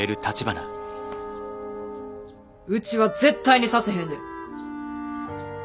ウチは絶対にさせへんで！